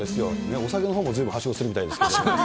お酒のほうもずいぶんはしごするみたいですけれども。